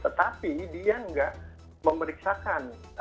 tetapi dia enggak memeriksakan